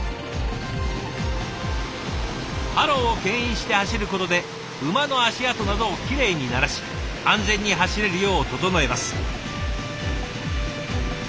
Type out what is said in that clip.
ハローをけん引して走ることで馬の足跡などをきれいにならし安全に走れるよう整えます。